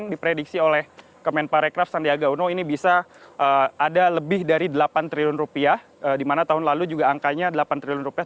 diprediksi oleh kemenparekraf sandiaga uno ini bisa ada lebih dari delapan triliun rupiah di mana tahun lalu juga angkanya delapan triliun rupiah